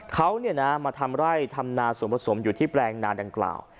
เขามาทำไร่ทำนาส่วนผสมอยู่ที่แปลงนาดังกล่าว